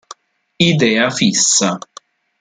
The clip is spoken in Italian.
Idea fissa